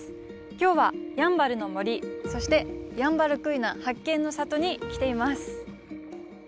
今日はやんばるの森そしてヤンバルクイナ発見の里に来ています。